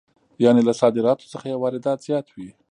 یانې له صادراتو څخه یې واردات زیات وي